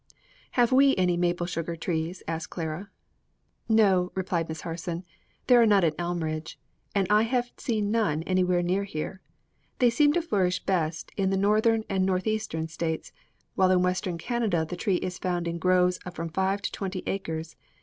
"Have we any maple sugar trees?" asked Clara. "No," replied Miss Harson; "there are none at Elmridge, and I have seen none anywhere near here. They seem to flourish best in the Northern and North eastern States, while in Western Canada the tree is found in groves of from five to twenty acres.